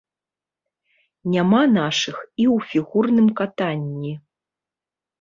Няма нашых і ў фігурным катанні.